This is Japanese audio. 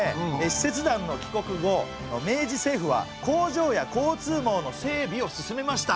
使節団の帰国後明治政府は工場や交通網の整備を進めました。